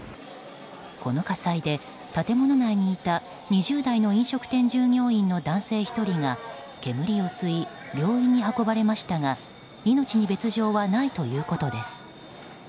この火災で、建物内にいた２０代の飲食店従業員の男性１人が煙を吸い病院に運ばれましたが命に別条はないということです。